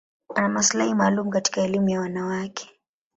Ana maslahi maalum katika elimu ya wanawake.